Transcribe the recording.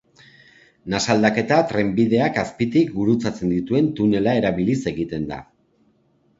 Nasa aldaketa trenbideak azpitik gurutzatzen dituen tunela erabiliz egiten da.